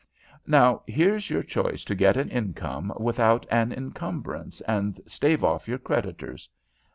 Now here's your chance to get an income without an encumbrance and stave off your creditors.